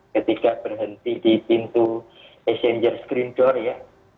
ketika berhenti di pintu passenger screen door ya